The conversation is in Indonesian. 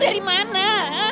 dari mana sam